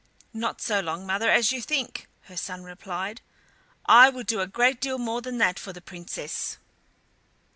"Not so long, mother, as you think," her son replied. "I would do a great deal more than that for the Princess."